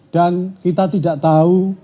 dan kita tidak tahu